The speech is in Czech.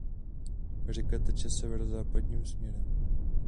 Řeka teče severozápadním směrem.